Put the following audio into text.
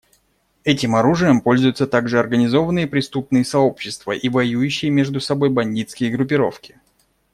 Этим оружием пользуются также организованные преступные сообщества и воюющие между собой бандитские группировки.